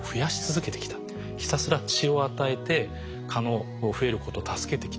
ひたすら血を与えて蚊の増えることを助けてきたと。